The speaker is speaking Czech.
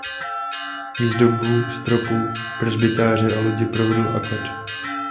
Výzdobu stropu presbytáře a lodi provedl akad.